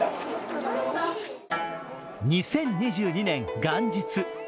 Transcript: ２０２２年元日。